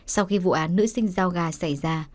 sau khi vụ án nữ sinh giao gà xảy ra